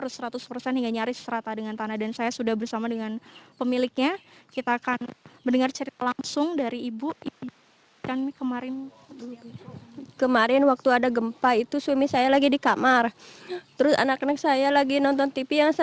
sampai jumpa di video selanjutnya